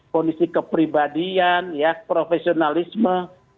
kondisi kepribadian ya profesionalisme